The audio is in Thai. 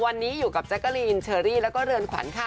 วันนี้อยู่กับแจ๊การีชัหรี่และเรือนขวัญค่ะ